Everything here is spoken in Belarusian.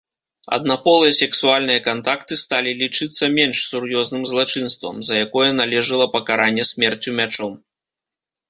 Аднаполыя сексуальныя кантакты сталі лічыцца менш сур'ёзным злачынствам, за якое належыла пакаранне смерцю мячом.